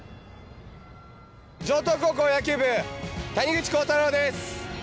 城東高校野球部、谷口昊汰朗です。